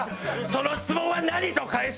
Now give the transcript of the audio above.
「“その質問は何？”と返したい」